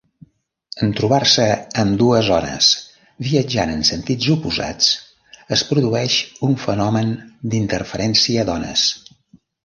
En trobar-se ambdues ones viatjant en sentits oposats es produeix un fenomen d'interferència d'ones.